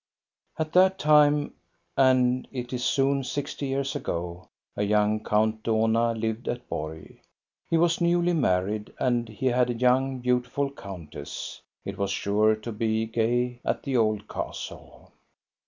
At that time, and it is soon sixty years ago, a young Count Dohna lived at Borg; he was newly married, and he had a young, beautiful countess. It was sure to be gay at the old castle.